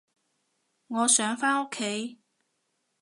我想返屋企